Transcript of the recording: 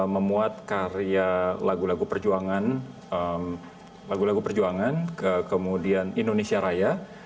memuat karya lagu lagu perjuangan kemudian indonesia raya